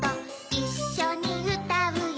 いっしょにうたうよ